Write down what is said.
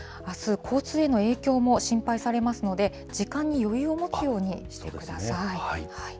あす、交通への影響も心配されますので、時間に余裕を持つようにしてください。